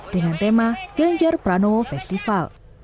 dengan tema ganjar pranowo festival